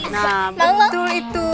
nah betul itu